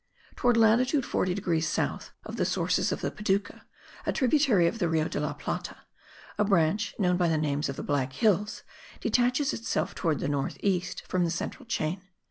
Towards latitude 40 degrees south of the sources of the Paduca, a tributary of the Rio de la Plata, a branch known by the name of the Black Hills, detaches itself towards the north east from the central chain.